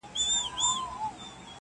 • ستا د مخ د سپین کتاب پر هره پاڼه,